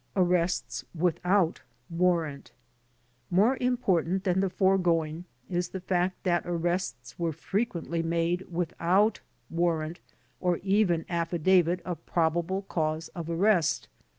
Arrests without Warrant More important than the foregoing is the fact that ar rests were frequently made without warrant or even affi HOW THE ARRESTS WERE MADE 27 davit of probable cause of arrest.